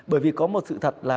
bởi vì có một sự thật là